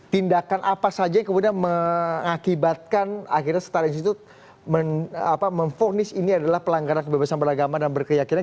tindakan apa saja yang kemudian mengakibatkan akhirnya setara institut memfonis ini adalah pelanggaran kebebasan beragama dan berkeyakinan